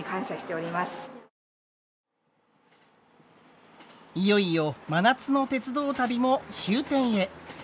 いよいよ真夏の鉄道旅も終点へ。